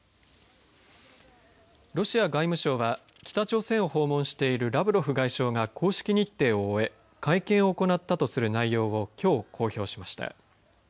ロシア外務省は北朝鮮を訪問しているラブロフ外相が公式日程を終え会見を行ったとする内容をきょう、公表しました。